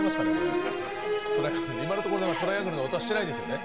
今のところトライアングルの音はしてないですよね？